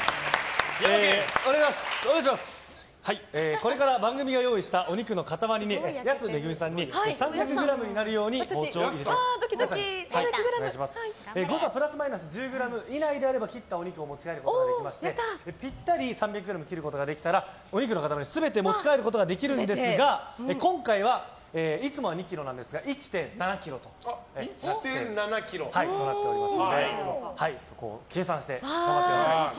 これから番組が用意したお肉の塊に安さんに３００ｇになるように包丁を入れていただき誤差プラスマイナス１０ｇ以内であれば切ったお肉を持ち帰ることができましてぴったり３００ｇ切ることができればお肉の塊全てお持ち帰ることができるんですがいつもは２ｋｇなんですが今回は１．７ｋｇということでそこを計算して頑張ってください。